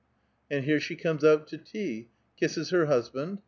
And h( re she comes out to tea, kisses her husband.